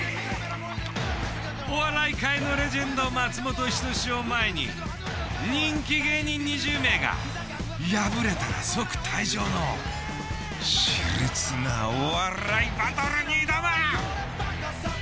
お笑い界のレジェンド松本人志を前に人気芸人２０名が破れたら即退場のし烈なお笑いバトルに挑む。